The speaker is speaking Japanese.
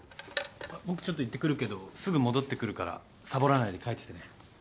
僕ちょっと行ってくるけどすぐ戻ってくるからサボらないで描いててね。